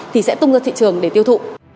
thì sẽ tung lên thị trường để tiêu thụ